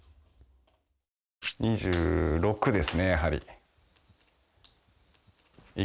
２６％ですねやはり。